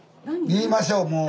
言いましょうもう。